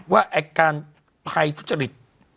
ว่าไอ้การภัยทุจริต